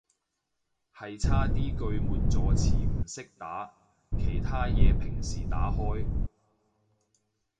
係差啲句末助詞唔識打，其他嘢平時打開